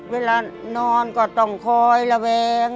เวลานอนก็ต้องคอยระแวง